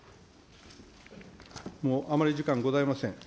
もうあまり時間ございません。